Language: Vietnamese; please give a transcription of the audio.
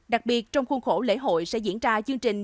đặc biệt trong khuôn khổ lễ hội sẽ diễn ra chương trình